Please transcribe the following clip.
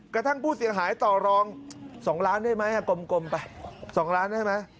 กระทั่งผู้เสียงหายต่อรอง๒๐๐๐๐๐๐บาทได้ไหมกลมไป๒๐๐๐๐๐๐บาทได้ไหม